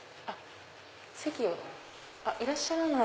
いらっしゃらない。